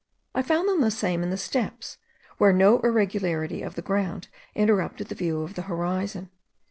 I found them the same in the steppes, where no irregularity of the ground interrupted the view of the horizon.